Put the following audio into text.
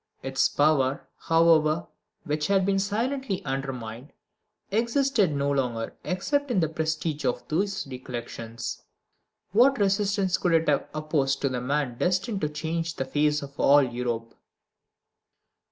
Its power, however, which had been silently undermined, existed no longer except in the prestige of those recollections. What resistance could it have opposed to the man destined to change the face of all Europe?